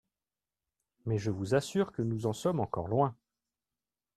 Mais je vous assure que nous en sommes encore loin.